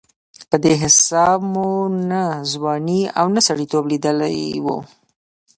په دې حساب مو نه ځواني او نه سړېتوب لېدلې وه.